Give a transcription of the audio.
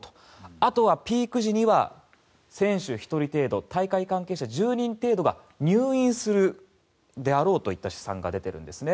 あとはピーク時には選手１人程度大会関係者１０人程度が入院するであろうといった試算が出ているんですね。